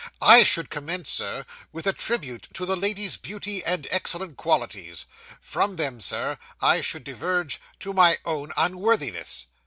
'I should commence, sir, with a tribute to the lady's beauty and excellent qualities; from them, Sir, I should diverge to my own unworthiness.